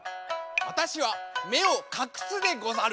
わたしはめをかくすでござる。